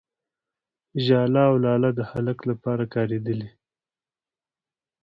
، ژاله او لاله د هلک لپاره کارېدلي دي.